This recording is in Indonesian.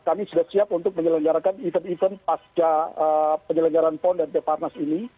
kami sudah siap untuk menyelenggarakan event event pasca penyelenggaran pon dan peparnas ini